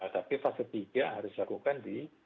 tapi fase tiga harus dilakukan di